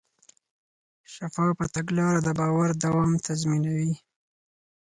شفافه تګلاره د باور دوام تضمینوي.